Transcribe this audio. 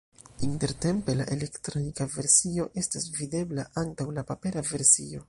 Intertempe la elektronika versio estas videbla antaŭ la papera versio.